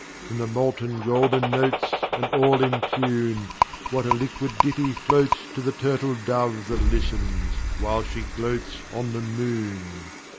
From the molten golden notes, And all in tune, What a liquid ditty floatsTo the turtle dove that listens, while she gloatsOn the moon!